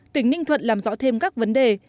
tỉnh ninh thuận làm rõ thêm các vấn đề